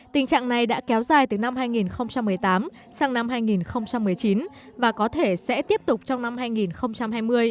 tình trạng này đã kéo dài từ năm hai nghìn một mươi tám sang năm hai nghìn một mươi chín và có thể sẽ tiếp tục trong năm hai nghìn hai mươi